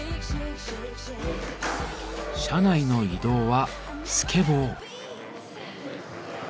車内の移動はスケボー。